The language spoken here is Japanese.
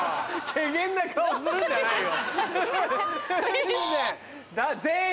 けげんな顔するんじゃないよ。